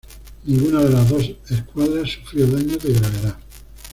Ninguna de las dos escuadras sufrió daños de gravedad.